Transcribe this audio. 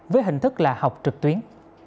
với hình thức là học trực tuyến